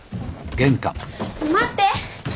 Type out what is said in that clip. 待って！